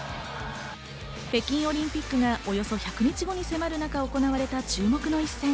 北京オリンピックがおよそ１００日後に迫ってる中、行われた注目の一戦。